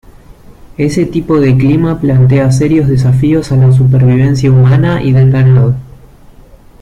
Ese tipo de clima plantea serios desafíos a la supervivencia humana y del ganado.